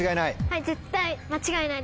はい！